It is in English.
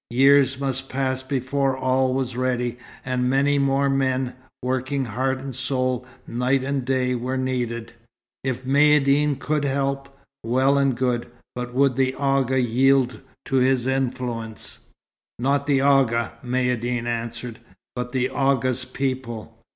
Years must pass before all was ready, and many more men, working heart and soul, night and day, were needed. If Maïeddine could help, well and good. But would the Agha yield to his influence? "Not the Agha," Maïeddine answered, "but the Agha's people.